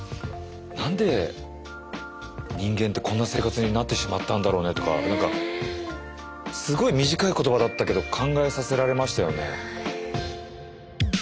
何で人間ってこんな生活になってしまったんだろうねとかすごい短い言葉だったけど考えさせられましたよね。